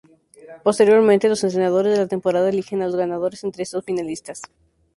Posteriormente, los entrenadores de la temporada eligen a los ganadores entre estos finalistas.